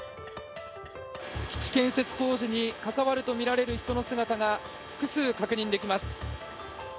基地建設工事に関わるとみられる人の姿が複数確認できます。